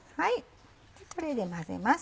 これで混ぜます。